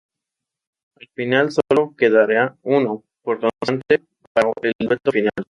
Al final solo quedará uno, por cantante, para el dueto final.